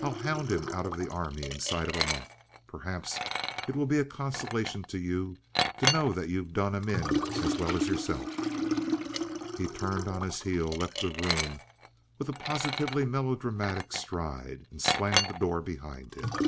I'll hound him out of the Army inside of a month. Perhaps it'll be a consolation to you to know that you've done him in as well as yourself." He turned on his heel, left the room with a positively melodramatic stride, and slammed the door behind him.